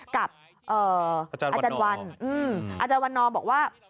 กับอาจารย์วันอาจารย์วันนอมบอกว่า